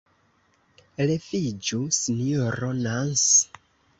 Leviĝu, Sinjoro Nans!